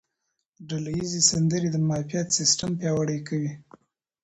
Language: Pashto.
ډله ییزې سندرې د معافیت سیستم پیاوړی کوي.